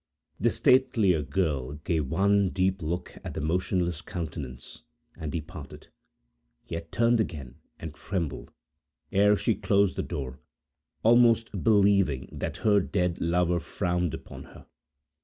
The statelier girl gave one deep look at the motionless countenance, and departed,—yet turned again and trembled, ere she closed the door, almost believing that her dead lover frowned upon her.